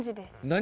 何？